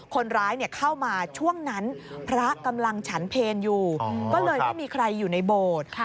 คนร้ายเข้ามาช่วงนั้นพระกำลังฉันเพลอยู่ก็เลยไม่มีใครอยู่ในโบสถ์